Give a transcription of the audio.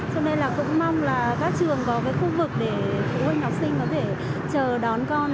cho nên là cũng mong là các trường có cái khu vực để phụ huynh học sinh có thể chờ đón con